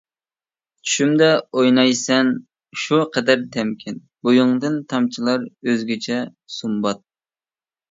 چۈشۈمدە ئوينايسەن شۇ قەدەر تەمكىن، بويۇڭدىن تامچىلار ئۆزگىچە سۇمبات.